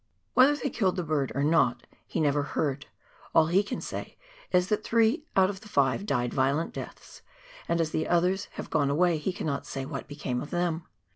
"Whether they killed the bird or not he never heard, all he can say is that three out of the five died violent deaths, and as the others have gone away he cannot say what became of them.